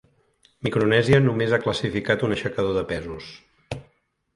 Micronèsia només ha classificat un aixecador de pesos.